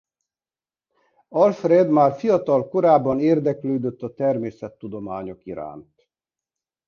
Alfred már fiatal korában érdeklődött a természettudományok iránt.